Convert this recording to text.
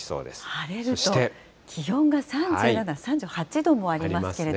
晴れると気温が３７、３８度もありますけれども。